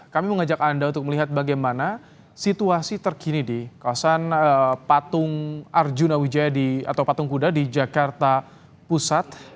kami mengajak anda untuk melihat bagaimana situasi terkini di kawasan patung arjuna wijaya atau patung kuda di jakarta pusat